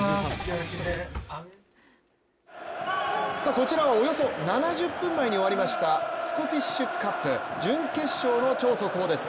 こちらはおよそ７０分前に終わりましたスコティッシュカップ準決勝の超速報です。